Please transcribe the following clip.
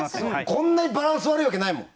こんなにバランス悪いわけないもん。